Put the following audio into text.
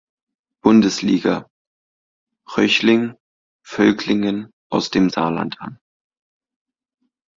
Bundesliga, Röchling Völklingen aus dem Saarland an.